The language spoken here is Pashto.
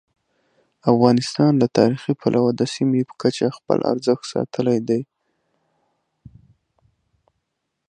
افغانستان له تاریخي پلوه د سیمې په کچه خپل ارزښت ساتلی دی.